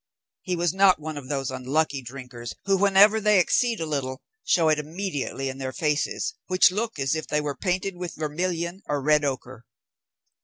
He was not one of those unlucky drinkers, who whenever they exceed a little, show it immediately in their faces, which look as if they were painted with vermilion or red ochre.